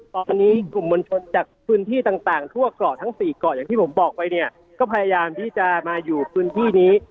ตอนนี้กลุ่มมวลชนจากพื้นที่ต่างทั่วเกาะทั้งสี่เกาะอย่างที่ผมบอกไปเนี่ยก็พยายามที่จะมาอยู่พื้นที่นี้